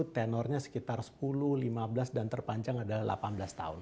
tenornya sekitar sepuluh lima belas dan terpanjang adalah delapan belas tahun